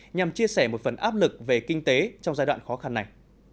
nhằm chia sẻ một phần áp lực về kinh tế trong giai đoạn khó khăn này